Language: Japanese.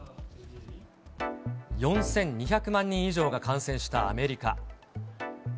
４２００万人以上が感染したアメリカ。